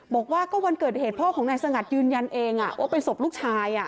บอกว่าก็วันเกิดเหตุพ่อของนายสงัดยืนยันเองว่าเป็นศพลูกชาย